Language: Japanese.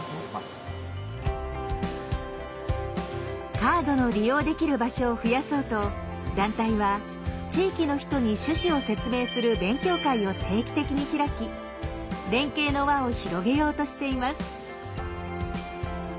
カードの利用できる場所を増やそうと団体は地域の人に趣旨を説明する勉強会を定期的に開き連携の輪を広げようとしています。